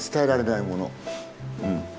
うん。